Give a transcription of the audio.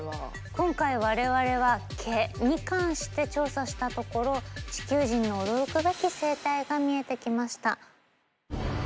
今回我々は毛に関して調査したところ地球人の驚くべき生態が見えてきました。